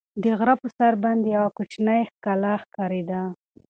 د غره په سر باندې یوه کوچنۍ کلا ښکارېده.